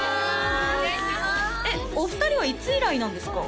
えっお二人はいつ以来なんですか？